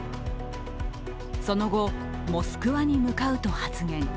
その後、モスクワに向かうと発言。